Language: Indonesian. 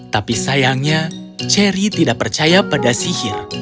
tapi sayangnya cherry tidak percaya pada sihir